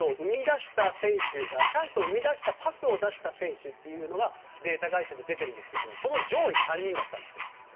チャンスを生み出したパスを出した選手がデータ会社で出てるんですけどもその上位３人だったんです。